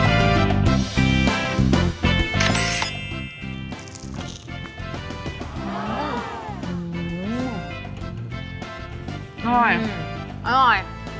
อร่อยอร่อย